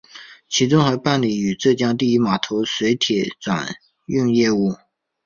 其中还办理与浙江第一码头的水铁转运业务。